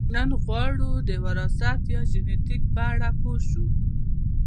نن غواړو د وراثت یا ژنیتیک په اړه پوه شو